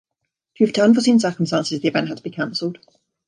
Due to unforeseen circumstances the event had to be cancelled.